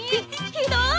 ひどい！